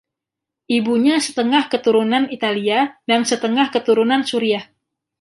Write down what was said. Ibunya setengah keturunan Italia dan setengah keturunan Suriah.